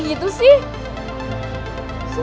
gue bisa manfaatin kesalahpahaman pangeran sama nel